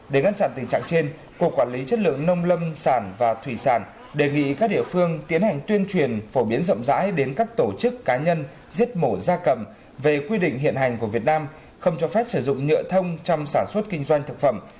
để ngăn chặn tình trạng trên cục quản lý chất lượng nông lâm sản và thủy sản đề nghị các địa phương tiến hành tuyên truyền phổ biến rộng rãi đến các tổ chức cá nhân giết mổ da cầm về quy định hiện hành của việt nam không cho phép sử dụng nhựa thông trong sản xuất kinh doanh thực phẩm